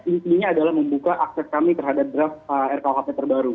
intinya adalah membuka akses kami terhadap draft rkuhp terbaru